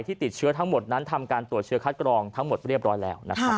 ติดเชื้อทั้งหมดนั้นทำการตรวจเชื้อคัดกรองทั้งหมดเรียบร้อยแล้วนะครับ